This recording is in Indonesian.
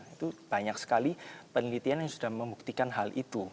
itu banyak sekali penelitian yang sudah membuktikan hal itu